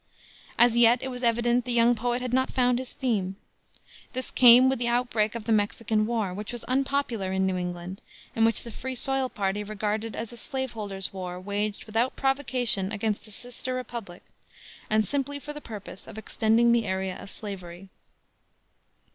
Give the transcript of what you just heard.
As yet, it was evident, the young poet had not found his theme. This came with the outbreak of the Mexican War, which was unpopular in New England, and which the Free Soil party regarded as a slaveholders' war waged without provocation against a sister republic, and simply for the purpose of extending the area of slavery.